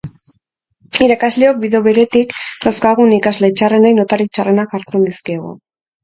Irakasleok, bide beretik, dauzkagun ikasle txarrenei notarik txarrenak jartzen dizkiegu.